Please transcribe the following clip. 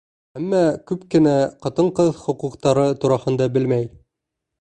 Әммә күп кенә ҡатын-ҡыҙ хоҡуҡтары тураһында белмәй.